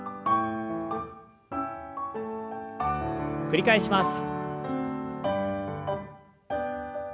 繰り返します。